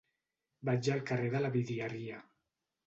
Vaig al carrer de la Vidrieria.